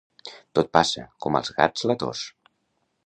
Tot passa, com als gats la tos.